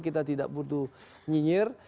kita tidak butuh nyinyir